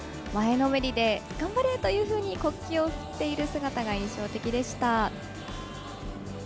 前のめりで頑張れというふうに国旗を振っている姿が印象的でした。